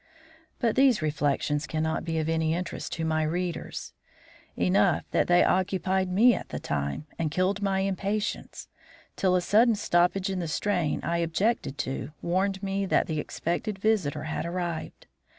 But these reflections cannot be of any interest to my readers; enough that they occupied me at the time and killed my impatience, till a sudden stoppage in the strain I objected to warned me that the expected visitor had arrived.